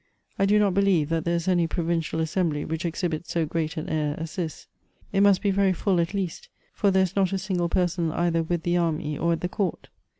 I do not believe that there is any provincial assembly whicli exhibits so great an air as this. It must be very full at least, for there is not a single person either with the army or at the court.